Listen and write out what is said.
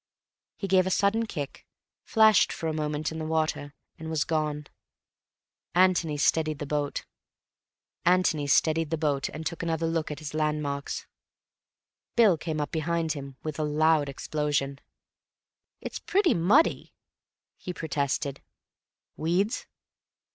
He gave a sudden kick, flashed for a moment in the water, and was gone. Antony steadied the boat, and took another look at his landmarks. Bill came up behind him with a loud explosion. "It's pretty muddy," he protested. "Weeds?"